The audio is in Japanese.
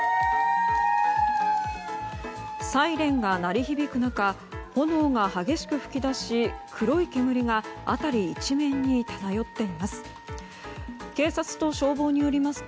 サイレンが鳴り響く中炎が激しく噴き出し黒い煙が辺り一面に漂っています。